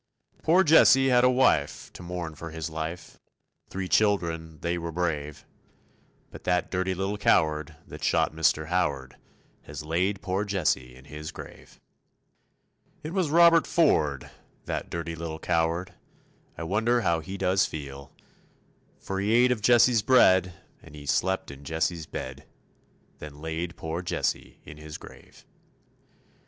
Poor Jesse had a wife to mourn for his life, Three children, they were brave. But that dirty little coward that shot Mr. Howard Has laid poor Jesse in his grave. It was Robert Ford, that dirty little coward, I wonder how he does feel, For he ate of Jesse's bread and he slept in Jesse's bed, Then laid poor Jesse in his grave.